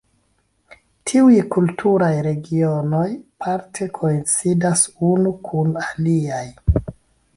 Tiuj kulturaj regionoj parte koincidas unu kun aliaj.